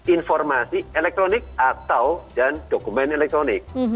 informasi elektronik atau dan dokumen elektronik